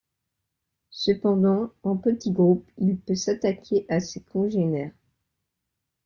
Cependant, en petit groupe, il peut s'attaquer à ses congénères.